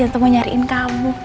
baru aja ketemu nyariin kamu